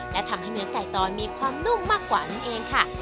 และทำให้เนื้อไก่ตอนมีความนุ่มมากกว่านั่นเองค่ะ